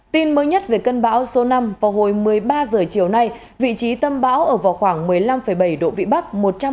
tin mới nhất về cơn bão số năm vào hồi một mươi ba h chiều nay vị trí tâm bão ở vào khoảng một mươi năm bảy độ vĩ bắc